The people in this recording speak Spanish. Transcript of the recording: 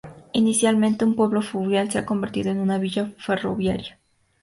Inicialmente un pueblo fluvial, se ha convertido en una villa ferroviaria.